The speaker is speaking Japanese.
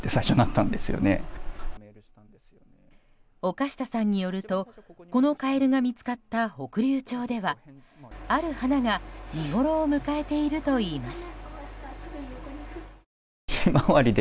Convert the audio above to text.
岡下さんによるとこのカエルが見つかった北竜町ではある花が見ごろを迎えているといいます。